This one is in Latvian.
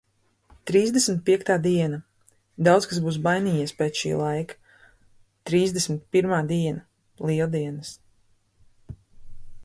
Trīsdesmit piektā diena. Daudz kas būs mainījies pēc šī laika. Trīsdesmit pirmā diena. Lieldienas.